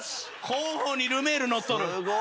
広報にルメール乗っとる。